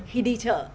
khi đi chợ